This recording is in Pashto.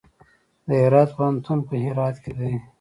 د هرات پوهنتون په هرات کې دی